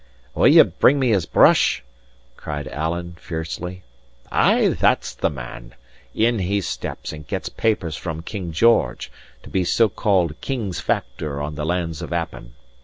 "Will ye bring me his brush?" cries Alan, fiercely. "Ay, that's the man. In he steps, and gets papers from King George, to be so called King's factor on the lands of Appin.